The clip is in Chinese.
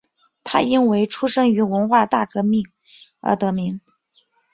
他因为出生于文化大革命而得名。